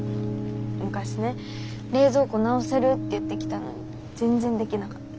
昔ね冷蔵庫直せるって言って来たのに全然できなかった。